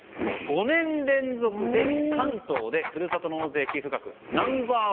５年連続で関東でふるさと納税寄付額ナンバー１。